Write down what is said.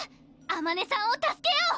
あまねさんを助けよう！